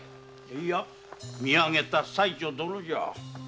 いや見上げた妻女殿じゃ。